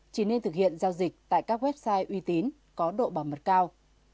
chỉ nên thực hiện giao dịch tại các website uy tín có độ bảo mật cao